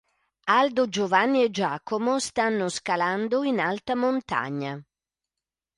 Aldo, Giovanni e Giacomo stanno scalando in alta montagna.